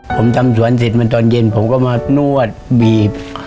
ผมทำสวนเสร็จมันตอนเย็นผมก็มานวดบีบ